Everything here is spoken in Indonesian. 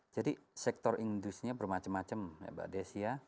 jadi sektor industri bermacam macam ya mbak desya